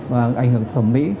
và ảnh hưởng tới thẩm mỹ